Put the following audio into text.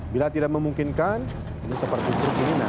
bila tidak memungkinkan seperti ini